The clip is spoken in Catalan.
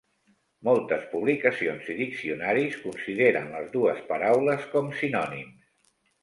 Moltes publicacions i diccionaris consideren les dues paraules com sinònims.